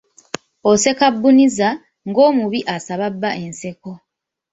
Oseka bbuniza, ng’omubi asaba bba enseko.